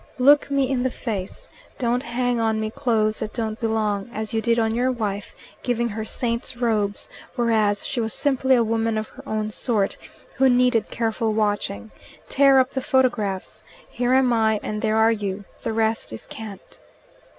"Look me in the face. Don't hang on me clothes that don't belong as you did on your wife, giving her saint's robes, whereas she was simply a woman of her own sort, who needed careful watching. Tear up the photographs. Here am I, and there are you. The rest is cant."